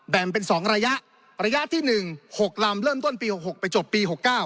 แบ่งเป็น๒ระยะระยะที่๑๖ลำเริ่มต้นปี๖๖ไปจบปี๖๙